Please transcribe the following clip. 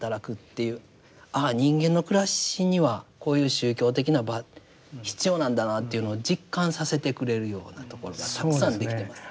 ああ人間の暮らしにはこういう宗教的な場必要なんだなっていうのを実感させてくれるようなところがたくさんできています。